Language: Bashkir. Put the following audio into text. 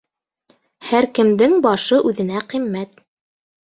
Һәр кемдең башы үҙенә ҡиммәт.